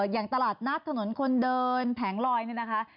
อย่างตลาดนัดถนนคนเดินแผงลอยนี่นะคะ